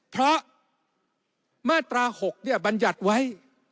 เพราะมาตรา๖บัญญัติไว้